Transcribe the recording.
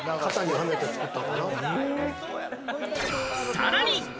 さらに。